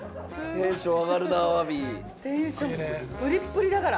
テンションプリップリだから。